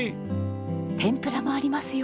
天ぷらもありますよ。